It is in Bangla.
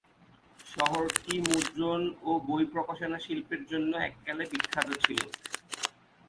শহরটি মুদ্রণ ও বই প্রকাশনা শিল্পের জন্য এককালে বিখ্যাত ছিল।